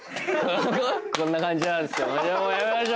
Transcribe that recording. こんな感じなんですよ。